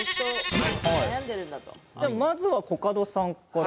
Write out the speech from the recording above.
まずはコカドさんから。